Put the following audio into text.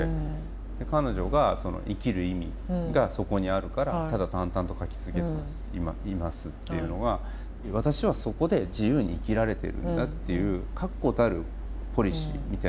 彼女が「生きる意味がそこにあるからただ淡々と描き続けています」っていうのは私はそこで自由に生きられてるんだっていう確固たるポリシーみたいなものを感じる。